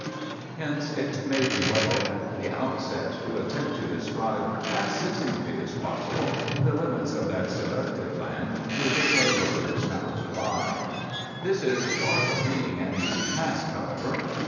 Hence, it may be well at the outset to attempt to describe, as succinctly as possible, the limits of that seductive land through which our road is now to lie. Footnote 20: "La Vie de Bohème," act i., scene 8. This is far from being an easy task, however.